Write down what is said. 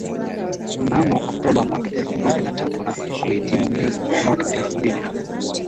mnamo Oktoba mwaka elfu mbili na tatu na kuhitimu Mei mwaka elfu mbili na